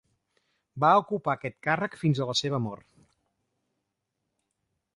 Va ocupar aquest càrrec fins a la seva mort.